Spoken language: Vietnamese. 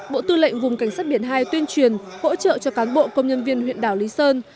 bộ tư lệnh vùng cảnh sát biển hai tuyên truyền hỗ trợ cho cán bộ công nhân viên huyện đảo lý sơn